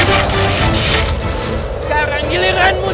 aku akan menangkapmu